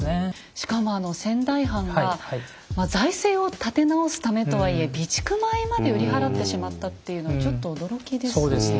しかも仙台藩が財政を立て直すためとはいえ備蓄米まで売り払ってしまったっていうのはちょっと驚きですね。